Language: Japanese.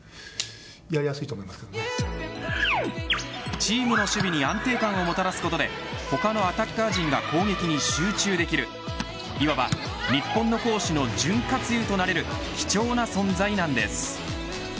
チームの守備に安定感をもたらすことで他のアタッカー陣が攻撃に集中できるいわば日本の攻守の潤滑油となれる貴重な存在なんです。